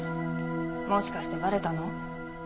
もしかしてバレたの？